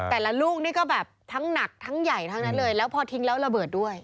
แต่ละลูกนี่ก็แบบทั้งหนักทั้งใหญ่ทั้งนั้นเลยแล้วพอทิ้งแล้วระเบิดด้วย